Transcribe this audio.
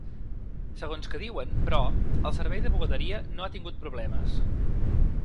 Segons que diuen, però, el servei de bugaderia no ha tingut problemes.